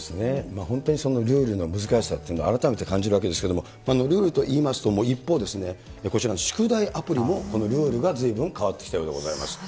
本当にそのルールの難しさっていうのは改めて感じるわけですけれども、ルールといいますと、一方、こちらの宿題アプリも、このルールがずいぶん変わってきたようでございます。